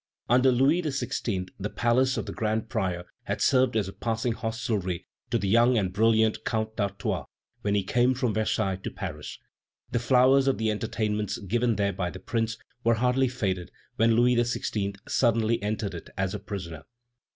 Under Louis XVI. the palace of the grand prior had served as a passing hostelry to the young and brilliant Count d'Artois when he came from Versailles to Paris. The flowers of the entertainments given there by the Prince were hardly faded when Louis XVI. suddenly entered it as a prisoner.